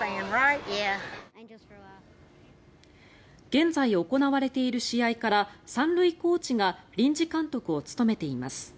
現在行われている試合から３塁コーチが臨時監督を務めています。